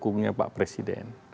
pendukungnya pak presiden